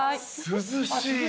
涼しいね